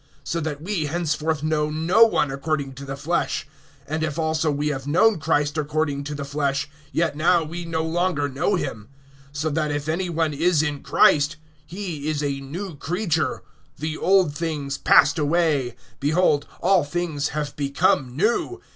(16)So that we henceforth know no one according to the flesh; and if also we have known Christ according to the flesh, yet now we no longer know him. (17)So that if any one is in Christ, he is a new creature; the old things passed away; behold, all things have become new.